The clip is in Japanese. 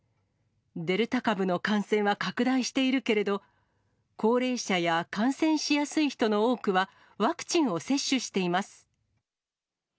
デルタ株の感染は拡大しているけれど、高齢者や感染しやすい人の多くは、ワクチンを接種しています。